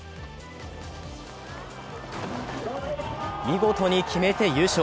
見事に決めて優勝。